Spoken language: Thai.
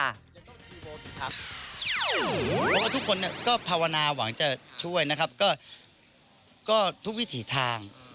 เพราะว่าทุกคนก็พาวนาหวังจะช่วยทุกวิถีทาง